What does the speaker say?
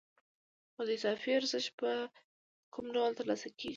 خو دا اضافي ارزښت په کوم ډول ترلاسه کېږي